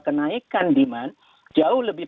kenaikan demand jauh lebih